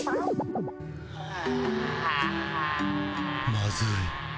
まずい。